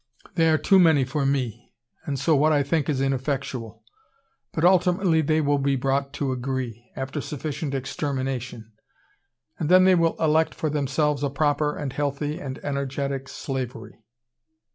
They are too many for me, and so what I think is ineffectual. But ultimately they will be brought to agree after sufficient extermination and then they will elect for themselves a proper and healthy and energetic slavery."